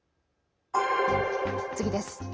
次です。